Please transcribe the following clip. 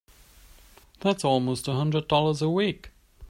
That's almost a hundred dollars a week!